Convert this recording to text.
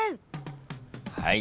はい。